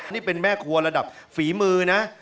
นี่เป็นแม่ครัวระดับฝีมือนะ